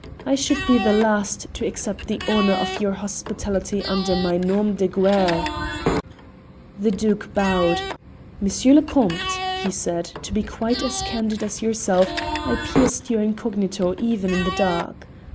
"I should be the last to accept the honour of your hospitality under a nom de guerre." The Duke bowed. "M. le Comte," he said, "to be quite as candid as yourself, I pierced your incognito even in the dark.